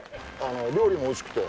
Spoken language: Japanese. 料理がおいしくて。